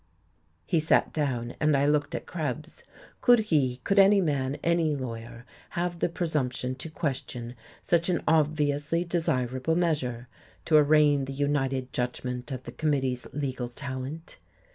He sat down, and I looked at Krebs. Could he, could any man, any lawyer, have the presumption to question such an obviously desirable measure, to arraign the united judgment of the committee's legal talent?